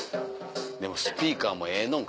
でもスピーカーもええのん